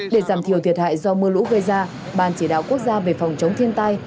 để giảm thiểu thiệt hại do mưa lũ gây ra ban chỉ đạo quốc gia về phòng chống thiên tai